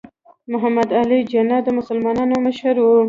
محمد علي جناح د مسلمانانو مشر و.